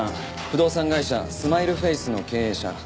不動産会社住まいるフェイスの経営者。